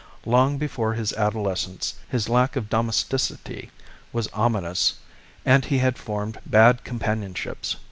Long before his adolescence, his lack of domesticity was ominous, and he had formed bad companionships.